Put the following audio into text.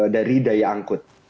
dari daya angkut